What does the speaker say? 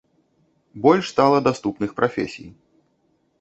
Больш стала даступных прафесій.